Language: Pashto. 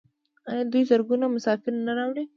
آیا دوی زرګونه مسافر نه راوړي؟